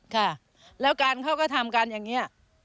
ค่ะแล้วการเขาก็ทำกันอย่างนี้